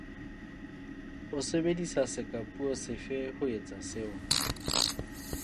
O sebedisa sekapuo sefe ho etsa seo?